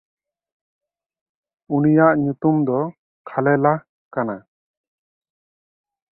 ᱩᱱᱤᱭᱟᱜ ᱧᱩᱛᱩᱢ ᱫᱚ ᱠᱷᱟᱞᱮᱞᱟᱦ ᱠᱟᱱᱟ᱾